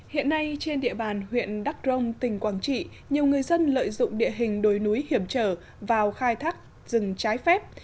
hiện nay trên địa bàn huyện đắk rông tỉnh quảng trị nhiều người dân lợi dụng địa hình đồi núi hiểm trở vào khai thác rừng trái phép